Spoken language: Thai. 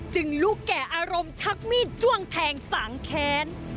ลูกแก่อารมณ์ชักมีดจ้วงแทงสางแค้น